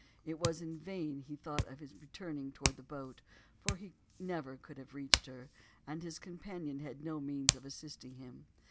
It was in vain he thought of returning towards the boat, for he never could have reached her, and his companion had no means of assisting him.